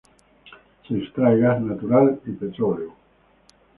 Se extrae gas natural y petróleo.